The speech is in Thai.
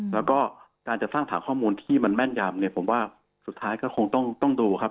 แล้วก็การจะสร้างฐานข้อมูลที่มันแม่นยำเนี่ยผมว่าสุดท้ายก็คงต้องดูครับ